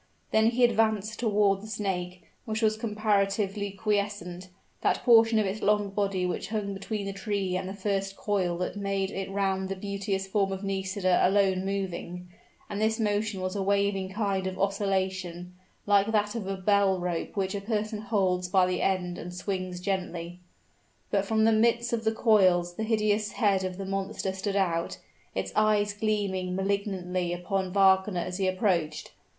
Then he advanced toward the snake, which was comparatively quiescent that portion of its long body which hung between the tree and the first coil that it made round the beauteous form of Nisida alone moving; and this motion was a waving kind of oscillation, like that of a bell rope which a person holds by the end and swings gently. But from the midst of the coils the hideous head of the monster stood out its eyes gleaming malignantly upon Wagner as he approached.